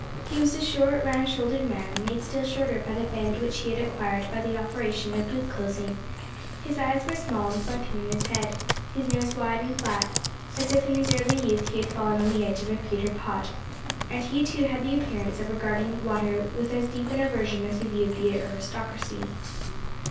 He was a short, round shouldered man, made still shorter by the bend which he had acquired by the operation of boot closing; his eyes were small, and sunken in his head; his nose wide and flat, as if in his early youth he had fallen on the edge of a pewter pot, and he too had the appearance of regarding water with as deep an aversion as he viewed the aristocracy.